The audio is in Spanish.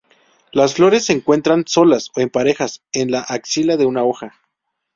Las flores se encuentran solas o en parejas en la axila de una hoja.